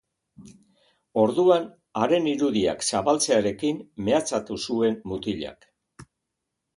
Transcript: Orduan, haren irudiak zabaltzearekin mehatxatu zuen mutilak.